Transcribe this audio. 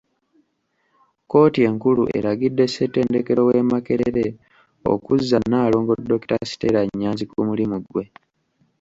Kkooti enkulu eragidde Ssettendekero w'e Makerere okuzza Nalongo Dokita Stella Nnyanzi ku mulimu gwe.